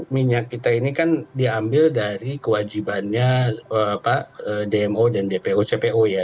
minyak kita ini kan diambil dari kewajibannya dmo dan dpo cpo ya